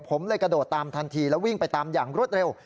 ผมเลยกระโดดตามทันทีแล้ววิ่งไปตามอย่างรวดเร็ว